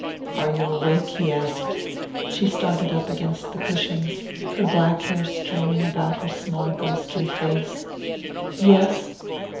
"Are you awake?" he asked. She started up against the cushions, her black hair streaming about her small ghostly face. "Yes."